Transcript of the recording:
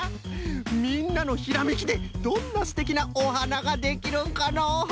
みんなのひらめきでどんなすてきなおはなができるんかのう？